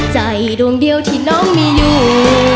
ใจดวงเดียวที่น้องมีอยู่